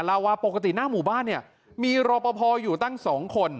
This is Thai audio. เล่าว่าปกติหน้าหมู่บ้านเนี่ยมีรอปภอยู่ตั้ง๒คน